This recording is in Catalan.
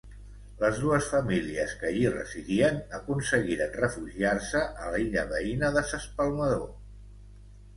Les dues famílies que allí residien aconseguiren refugiar-se a l'illa veïna de s'Espalmador.